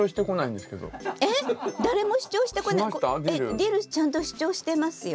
ディルちゃんと主張してますよ。